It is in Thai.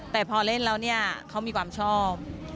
แต่พอเล่นแล้วเนี่ยเขามีความชอบ